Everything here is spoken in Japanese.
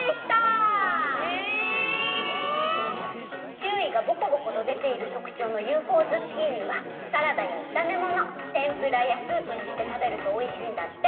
しゅういがぼこぼことでているとくちょうのＵＦＯズッキーニはサラダやいためものてんぷらやスープにしてたべるとおいしいんだって！